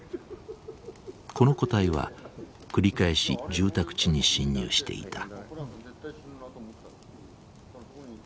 この個体は繰り返し住宅地に侵入していた。